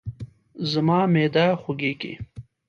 زما معده خوږیږي